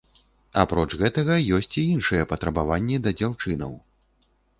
Апроч гэтага ёсць і іншыя патрабаванні да дзяўчынаў.